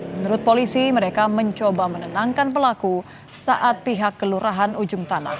menurut polisi mereka mencoba menenangkan pelaku saat pihak kelurahan ujung tanah